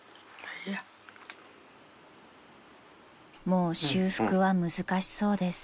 ［もう修復は難しそうです］